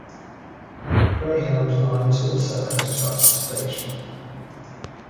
Greyhound Lines also has a bus station.